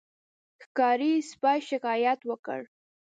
ښکاري سپي شکایت وکړ.